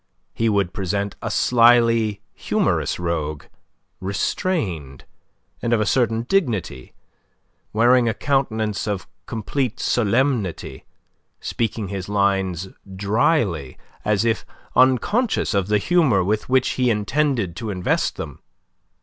He would present a slyly humorous rogue, restrained, and of a certain dignity, wearing a countenance of complete solemnity, speaking his lines drily, as if unconscious of the humour with which he intended to invest them.